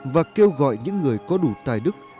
và kêu gọi những người có đủ tài đức